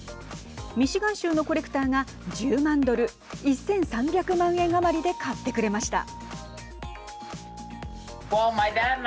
ミシガン州のコレクターが１０万ドル、１３００万円余りで買ってくれました。